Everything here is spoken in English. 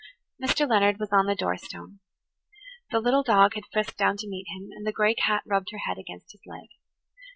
Mr. Leonard was on the door stone. The little dog had frisked down to meet him, and the gray cat rubbed her head against his leg.